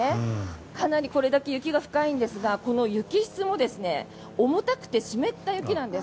かなりこれだけ雪が深いんですがこの雪質も重たくて湿った雪なんです。